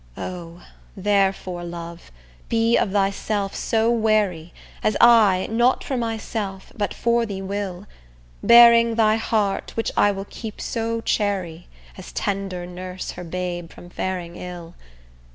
O! therefore love, be of thyself so wary As I, not for myself, but for thee will; Bearing thy heart, which I will keep so chary As tender nurse her babe from faring ill.